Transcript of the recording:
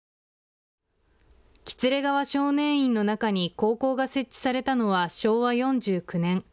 喜連川少年院の中に高校が設置されたのは昭和４９年。